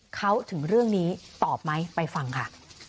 เขาถึงเรื่องนี้ตอบไหมไปฟังค่ะ